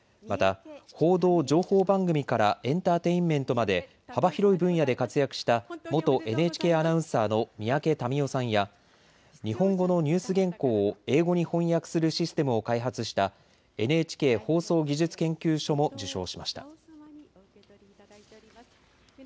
また、報道、情報番組からエンターテインメントまで幅広い分野で活躍した元ＮＨＫアナウンサーの三宅民夫さんや日本語のニュース原稿を英語に翻訳するシステムを開発したＮＨＫ放送技術研究所も受賞しました。